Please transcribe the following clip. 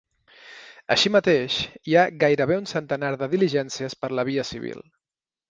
Així mateix, hi ha gairebé un centenar de diligències per la via civil.